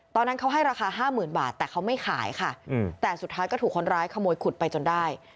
ตอนนั้นเขาให้ราคา๕๐๐๐บาทแต่เขาไม่ขายค่ะแต่สุดท้ายก็ถูกคนร้ายขโมยขุดไปจนได้